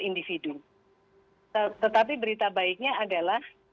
individu tetapi berita baiknya adalah